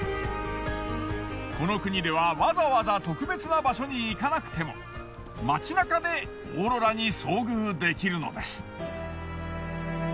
この国ではわざわざ特別な場所に行かなくても街中でオーロラに遭遇できるのです。